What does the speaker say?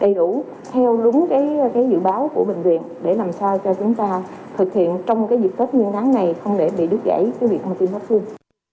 ta thực hiện trong cái dịp tết nguyên đáng này không để bị đút gãy cái việc mà tiêm vaccine